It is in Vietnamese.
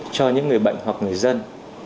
cho những người bệnh hoặc người dân